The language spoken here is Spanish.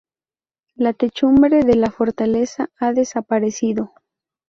La techumbre de la fortaleza ha desaparecido.